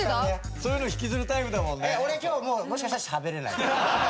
「そういうの引きずるタイプ」「俺今日もうもしかしたらしゃべれない」